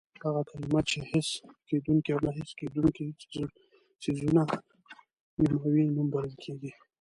هغه کلمه چې حس کېدونکي او نه حس کېدونکي څیزونه نوموي نوم بلل کېږي.